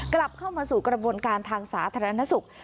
กลับเข้ามาสู่กระบวนการทางสาธารณสุข